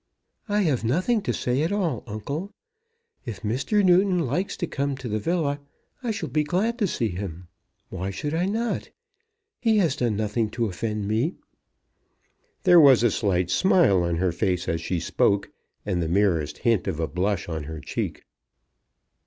"I have nothing to say at all, uncle. If Mr. Newton likes to come to the villa, I shall be glad to see him. Why should I not? He has done nothing to offend me." There was a slight smile on her face as she spoke, and the merest hint of a blush on her cheek.